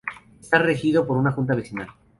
Está regido por una Junta Vecinal.